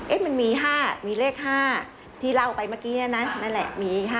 เอ๊ะมันมี๕มีเลข๕ที่เราเอาไปเมื่อกี้นะนั่นแหละมี๕